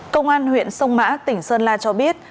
công an huyện sông mã tỉnh sơn la cho biết